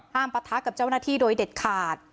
ปะทะกับเจ้าหน้าที่โดยเด็ดขาด